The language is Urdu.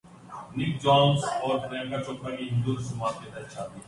نک جونس اور پریانکا چوپڑا کی ہندو رسومات کے تحت شادی